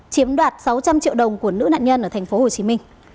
chiếm đoạt sáu trăm linh triệu đồng của nữ nạn nhân ở tp hcm